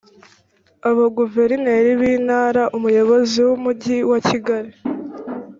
abaguverineri b intara umuyobozi w umujyi wa kigali